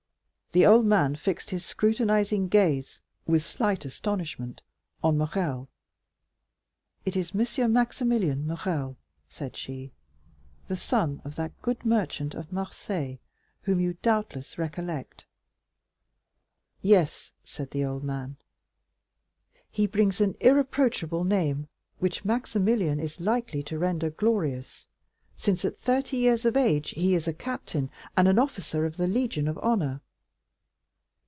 The old man fixed his scrutinizing gaze with slight astonishment on Morrel. "It is M. Maximilian Morrel," said she; "the son of that good merchant of Marseilles, whom you doubtless recollect." "Yes," said the old man. "He brings an irreproachable name, which Maximilian is likely to render glorious, since at thirty years of age he is a captain, an officer of the Legion of Honor."